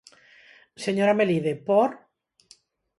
Señora Melide, ¿por?